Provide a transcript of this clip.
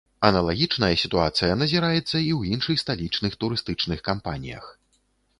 Аналагічная сітуацыя назіраецца і ў іншых сталічных турыстычных кампаніях.